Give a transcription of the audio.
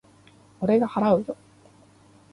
俺が払うよ。